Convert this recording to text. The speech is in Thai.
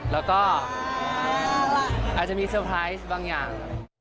แล้วก็อาจจะมีเซอร์ไพรส์บางอย่าง